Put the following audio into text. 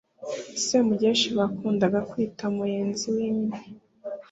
Semugeshi bakundaga kwita Muyenzi wimye